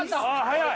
早い！